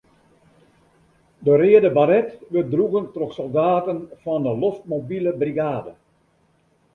De reade baret wurdt droegen troch soldaten fan 'e loftmobile brigade.